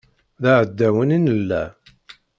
D aɛdawen i nella.